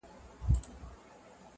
دغزل جامونه وېسي